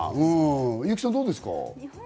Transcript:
優木さん、どうですか？